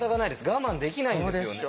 我慢できないんですよね。